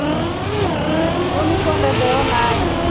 Lindu kwenda mbeo nai.